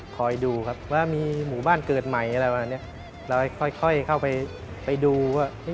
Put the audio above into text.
คอยดูครับว่ามีหมู่บ้านเกิดใหม่อะไรแบบนี้เราค่อยเข้าไปดูว่า